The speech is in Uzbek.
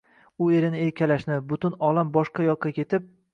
U erini erkalashni, butun olam boshqa yoqqa ketib